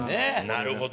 なるほど。